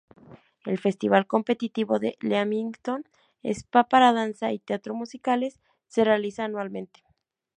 El "Festival Competitivo de Leamington Spa para Danza y Teatro Musicales" se realiza anualmente.